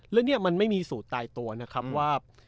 แล้วนี่มันไม่มีสูตรตายตัวนะครับว่า